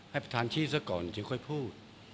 ให้ประธานชีสก่อนจึงค่อยพูด